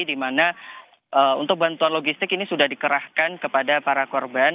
di mana untuk bantuan logistik ini sudah dikerahkan kepada para korban